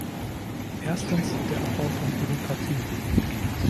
Erstens der Abbau von Bürokratie.